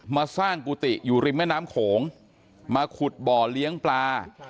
มาสร้างกุฏิอยู่ริมแม่น้ำโขงมาขุดบ่อเลี้ยงปลา